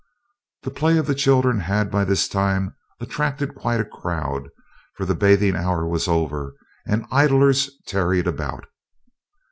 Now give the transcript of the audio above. The play of the children had, by this time, attracted quite a crowd, for the bathing hour was over, and idlers tarried about.